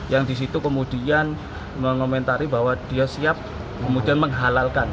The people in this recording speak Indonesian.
yang disitu kemudian mengomentari bahwa dia siap kemudian menghalalkan